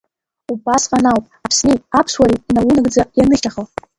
Убасҟан ауп Аԥсни Аԥсуареи наунагӡа ианыхьчахо!